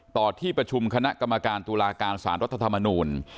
ต่อที่ประชุมคณะกรรมการตุลาการสารรัฐธรรมนูล